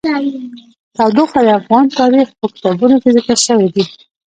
تودوخه د افغان تاریخ په کتابونو کې ذکر شوی دي.